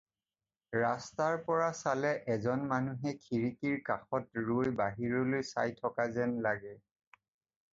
ৰাস্তাৰ পৰা চালে এজন মানুহে খিৰিকীৰ কাষত ৰৈ বাহিৰলৈ চাই থকা যেন লাগে।